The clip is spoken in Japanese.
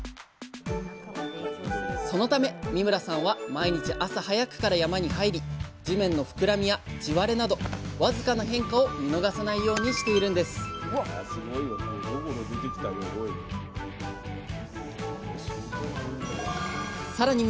そのため三村さんは毎日朝早くから山に入り地面の膨らみや地割れなどわずかな変化を見逃さないようにしているんですさらに